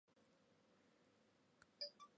海南野桐为大戟科野桐属下的一个种。